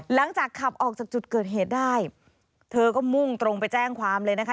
หลังจากขับออกจากจุดเกิดเหตุได้เธอก็มุ่งตรงไปแจ้งความเลยนะคะ